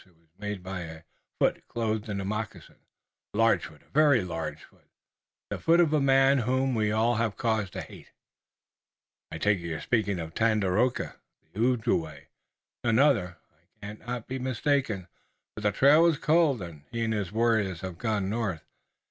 It was made by a foot clothed in a moccasin, a large foot, a very large foot, the foot of a man whom we all have cause to hate." "I take it you're speaking of Tandakora, the Ojibway." "None other. I cannot be mistaken. But the trail was cold. He and his warriors have gone north.